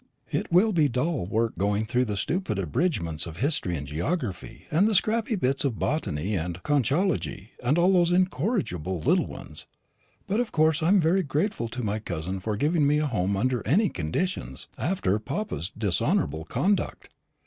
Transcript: It will be dull work going through the stupid abridgments of history and geography, and the scrappy bits of botany and conchology, with those incorrigible little ones; but of course I am very grateful to my cousin for giving me a home under any conditions, after papa's dishonourable conduct.